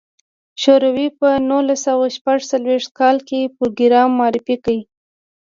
شوروي په نولس سوه شپږ څلوېښت کال کې پروګرام معرفي کړ.